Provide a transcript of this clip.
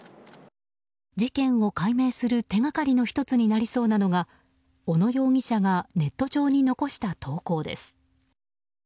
事件を解明する手掛かりの１つになりそうなのが小野容疑者がネット上に残した投稿です。